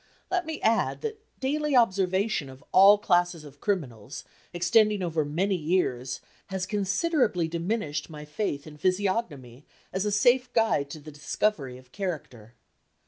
Let me add that daily observation of all classes of criminals, extending over many years, has considerably diminished my faith in physiognomy as a safe guide to the discovery of character.